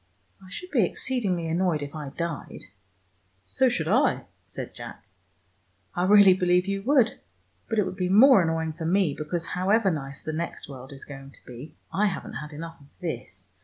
I should be exceedingly annoyed if I died " "So should I," said Jack. "I really believe you would. But it would be more annoying for me, because however nice the next world is going to be, I haven't had enough of this.